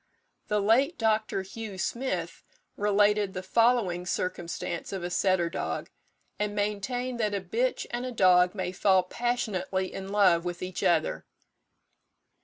The late Dr. Hugh Smith related the following circumstance of a setter dog, and maintained that a bitch and a dog may fall passionately in love with each other.